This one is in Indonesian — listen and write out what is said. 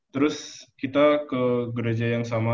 terus kita ke gereja yang sama